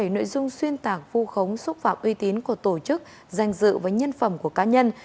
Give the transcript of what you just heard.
một mươi bảy nội dung xuyên tảng phu khống xúc phạm uy tín của tổ chức danh dự và nhân phẩm của cá nhân